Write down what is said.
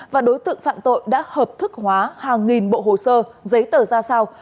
và đối tượng phạm tội đã hợp thức hóa hàng nghìn bộ hồ sơ giấy tờ ra sao